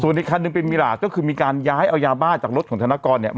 อีกคันหนึ่งเป็นมิลาก็คือมีการย้ายเอายาบ้าจากรถของธนกรเนี่ย